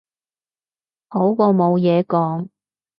好過冇嘢講